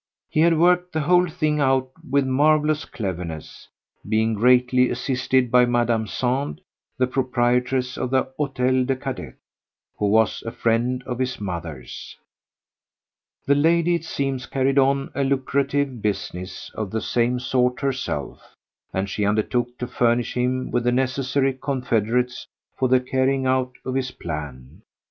He had worked the whole thing out with marvellous cleverness, being greatly assisted by Madame Sand, the proprietress of the Hôtel des Cadets, who was a friend of his mother's. The lady, it seems, carried on a lucrative business of the same sort herself, and she undertook to furnish him with the necessary confederates for the carrying out of his plan.